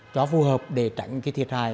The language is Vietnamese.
cho phù hợp để tránh thiệt hại